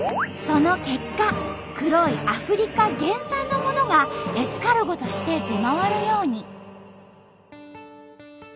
その結果黒いアフリカ原産のものがエスカルゴとして出回るように。